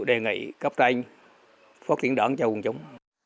đề nghị cấp tranh phát triển đảng cho quân chúng